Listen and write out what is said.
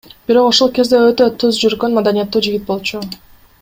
Бирок ошол кезде өтө түз жүргөн, маданияттуу жигит болчу.